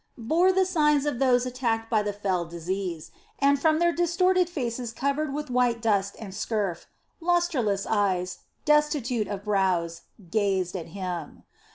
bore the signs of those attacked by the fell disease, and from their distorted faces covered with white dust and scurf, lustreless eyes, destitute of brows, gazed at him.